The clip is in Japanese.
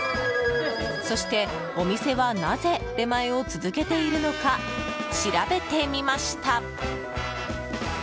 そしてお店は、なぜ出前を続けているのか調べてみました。